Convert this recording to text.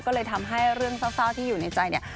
ก็เลยทำให้เรื่องเศร้าที่อยู่ในใจเนี่ย